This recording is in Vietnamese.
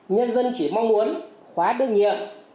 nhân dân chỉ mong muốn khóa đương nhiệm